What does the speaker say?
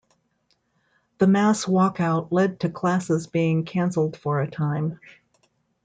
The mass walkout led to classes being canceled for a time.